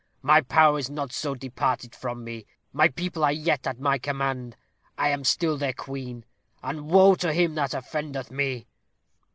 My power is not departed from me. My people are yet at my command. I am still their queen, and woe to him that offendeth me!"